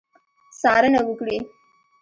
څارنه وکړي.